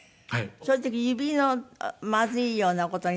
そういう時指まずいような事になる事はない？